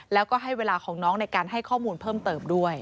แล้วก็ให้เวลาของน้องในการให้ข้อมูลเพิ่มเติมด้วย